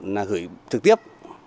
là gửi trực tiếp